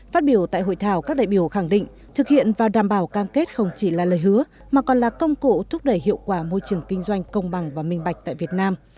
phát biểu tại hội thảo các đại biểu khẳng định thực hiện và đảm bảo cam kết không chỉ là lời hứa mà còn là công cụ thúc đẩy hiệu quả môi trường kinh doanh công bằng và minh bạch tại việt nam